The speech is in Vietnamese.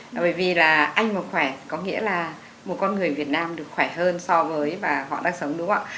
là bởi vì là anh mà khỏe có nghĩa là một con người việt nam được khỏe hơn so với và họ đang sống đúng không ạ